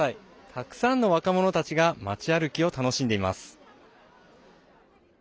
たくさんの若者たちが街歩きを楽しんでいます。